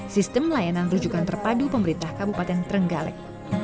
sistem layanan rujukan terpadu pemerintah kabupaten trenggalek